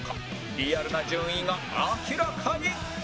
リアルな順位が明らかに！